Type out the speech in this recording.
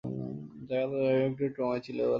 যত যাই হোক, একটু ট্রমায় ছিলে বলে কথা।